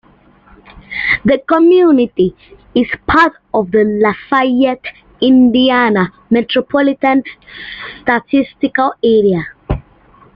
The community is part of the Lafayette, Indiana Metropolitan Statistical Area.